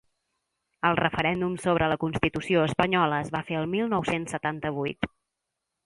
El referèndum sobre la constitució espanyola es va fer el mil nou-cents setanta-vuit.